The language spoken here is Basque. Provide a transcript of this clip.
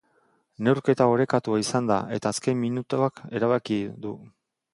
Neurketa orekatua izan da eta azken minutuak erabaki du.